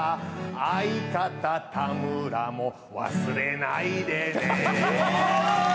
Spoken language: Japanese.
相方・田村も忘れないでね。